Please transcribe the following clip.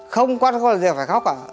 không có gì phải khóc